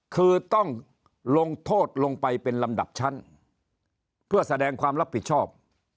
คือต้องลงโทษลงไปเป็นลำดับชั้นเพื่อแสดงความรับผิดชอบ